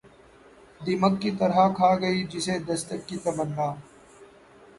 دیمک کی طرح کھا گئی جسے دستک کی تمنا